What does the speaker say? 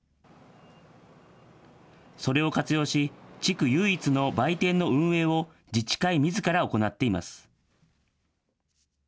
それを活用し、地区唯一の売店の運営を、自治会みずから行っています。